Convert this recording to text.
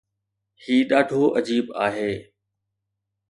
هي ڏاڍو عجيب آهي.